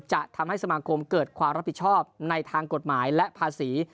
จะทำให้สมาคมเกิดความรับผิดชอบในทางกฎหมายและภาษี